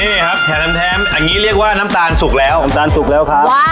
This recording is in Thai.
นี้ไงครับแหละน้ำแท้มอันนี้เรียกว่าน้ำตาลสุกแล้ว